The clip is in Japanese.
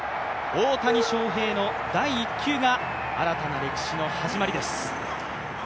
大谷翔平の第１球が新たな歴史の始まりです。